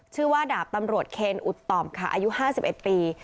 ชื่อว่าดาบตำรวจเคนอุดต่อมค่ะอายุ๕๑ปี